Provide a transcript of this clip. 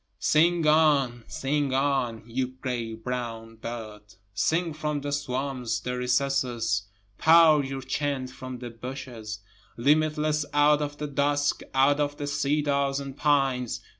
13 Sing on, sing on, you gray brown bird, Sing from the swamps, the recesses, pour your chant from the bushes, Limitless out of the dusk, out of the cedars and pines.